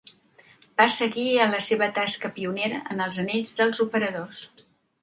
Va seguir a la seva tasca pionera en els anells dels operadors.